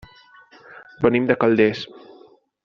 Venim de Calders.